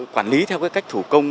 quản lý theo cách thủ công